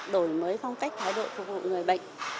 đổi mới phong cách thái độ phục vụ người bệnh